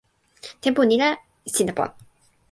tenpo ni la, sina pona.